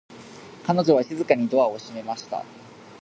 彼女は静かにドアを閉めました。